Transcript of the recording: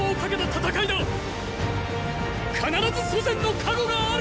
必ず祖先の加護がある！！